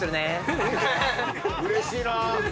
うれしいな。